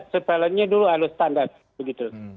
surveillance nya dulu harus standar begitu